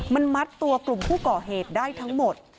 มันมัดตัวกลุ่มผู้ก่อเหตุได้ทั้งหมด